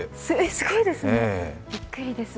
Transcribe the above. すごいですね、びっくりです